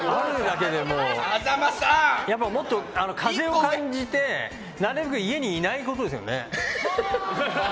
やっぱり、もっと風を感じてなるべく家にいないことですよね。